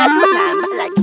aduh lama lagi